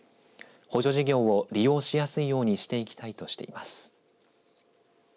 補助事業を利用しやすいようにしていきたいとしています。